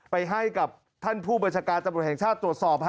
ไปให้กับท่านผู้บัญชาการตำรวจแห่งชาติตรวจสอบ